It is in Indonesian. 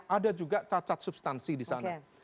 ada juga cacat substansi disana